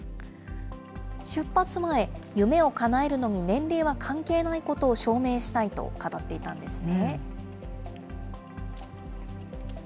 出発前、夢をかなえるのに年齢は関係ないことを証明したいと語っていたんですね。